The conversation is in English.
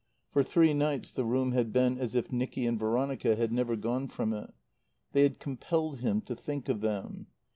For three nights the room had been as if Nicky and Veronica had never gone from it. They had compelled him to think of them.